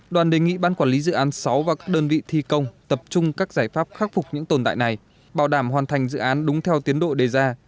đoàn đề nghị ban quản lý dự án sáu và các đơn vị thi công tập trung các giải pháp khắc phục những tồn tại này bảo đảm hoàn thành dự án đúng theo tiến độ đề ra